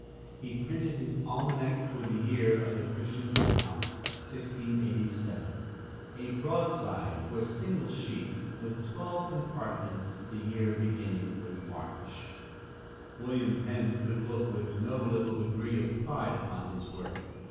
He printed his "Almanac for the year of the Christian's Account, 1687," a broadside, or single sheet, with twelve compartments, the year beginning with March. William Penn could look with no little degree of pride upon his work.